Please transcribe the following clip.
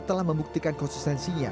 setelah membuktikan konsistensinya